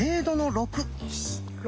６！